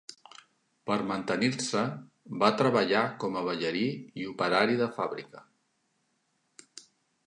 Per mantenir-se, va treballar com a ballarí i operari de fàbrica.